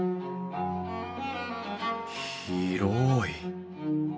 広い！